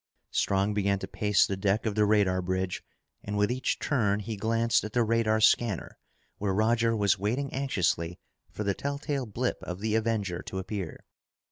Strong began to pace the deck of the radar bridge, and with each turn, he glanced at the radar scanner where Roger was waiting anxiously for the telltale blip of the Avenger to appear.